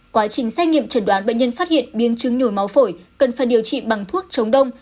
quá trình xét nghiệm trần đoán bệnh nhân phát hiện biến chứng nhồi máu phổi cần phải điều trị bằng thuốc chống đông